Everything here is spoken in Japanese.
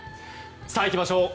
さあ、いきましょう。